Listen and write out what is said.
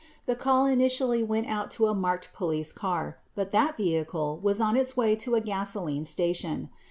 The call initially went out to a marked police car but that vehicle w r as on its way to a gasoline station.